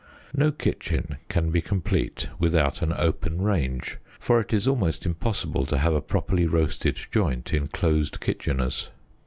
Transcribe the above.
No kitchen can be complete without an open range, for it is almost impossible to have a properly roasted joint in closed kitcheners.